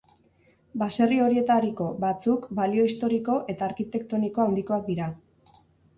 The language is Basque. Baserri horietariko batzuk balio historiko eta arkitektoniko handikoak dira.